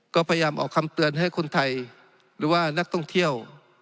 ก็พยายามออกคำเตือนให้คนไทยหรือว่านักท่องเที่ยว